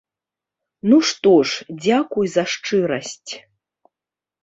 Ну што ж, дзякуй за шчырасць.